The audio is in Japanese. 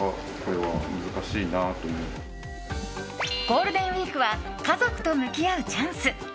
ゴールデンウィークは家族と向き合うチャンス。